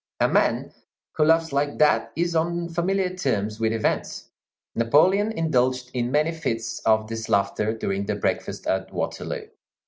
A man who laughs like that is on familiar terms with events. Napoleon indulged in many fits of this laughter during the breakfast at Waterloo.